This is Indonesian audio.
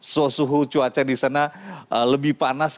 jadi suhu cuaca di sana lebih panas